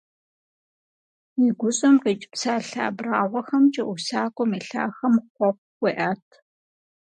И гущӀэм къикӀ псалъэ абрагъуэхэмкӀэ усакӀуэм и лъахэм хъуэхъу хуеӀэт.